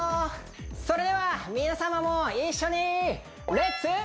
それでは皆さまも一緒にレッツ！